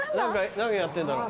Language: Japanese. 何やってんだろう？